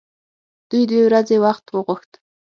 دوی دوې ورځې وخت وغوښت.